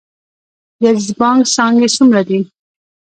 د عزیزي بانک څانګې څومره دي؟